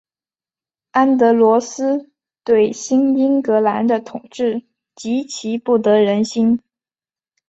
安德罗斯对新英格兰的统治极其不得人心。